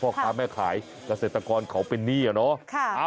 เพราะคะแม่ขายเกษตรกรเขาเป็นนี่น่ะเนอะ